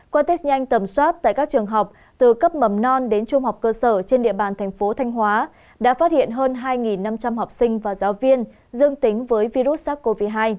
qua test nhanh tầm soát tại các trường học từ cấp mầm non đến trung học cơ sở trên địa bàn thành phố thanh hóa đã phát hiện hơn hai năm trăm linh học sinh và giáo viên dương tính với virus sars cov hai